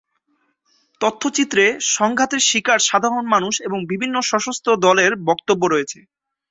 তথ্যচিত্রে সংঘাতের শিকার সাধারণ মানুষ এবং বিভিন্ন সশস্ত্র দলের বক্তব্য রয়েছে।